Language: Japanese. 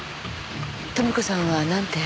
豊美子さんはなんて？